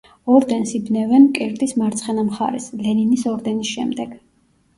ორდენს იბნევენ მკერდის მარცხენა მხარეს, ლენინის ორდენის შემდეგ.